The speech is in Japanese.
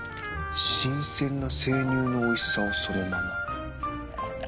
新鮮な生乳のおいしさをそのまま。